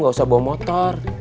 gak usah bawa motor